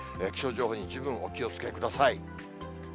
気象情報に十分お気をつけください。